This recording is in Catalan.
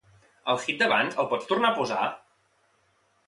El hit d'abans, el pots tornar a posar?